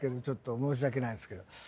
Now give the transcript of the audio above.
ちょっと申し訳ないっすけど。